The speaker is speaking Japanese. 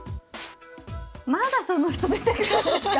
まだその人出てくるんですか？